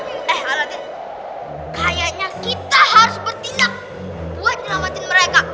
eh aladin kayaknya kita harus bertindak buat nyelamatin mereka